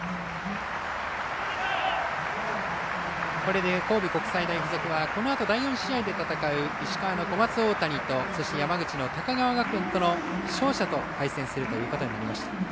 これで、神戸国際大付属はこのあと第４試合で戦う石川の小松大谷と山口の高川学園との勝者と対戦することになりました。